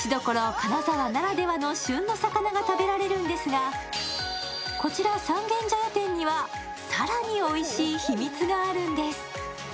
・金沢ならではの旬の魚が食べられるんですがこちら三軒茶屋店には更においしい秘密があるんです。